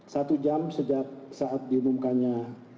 satu jam sejak saat diumumkannya